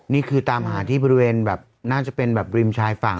นี่คือตามหาที่บริเวณแบบน่าจะเป็นแบบริมชายฝั่ง